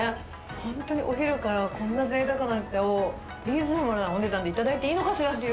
本当にお昼からこんなぜいたくな時間を、リーズナブルなお値段で頂いていいのかしらっていう。